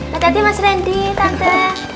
makasih mas randy tante